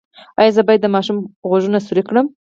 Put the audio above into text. ایا زه باید د ماشوم غوږونه سورۍ کړم؟